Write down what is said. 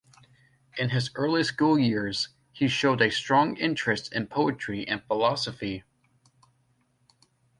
In his early school years, he showed a strong interest in poetry and philosophy.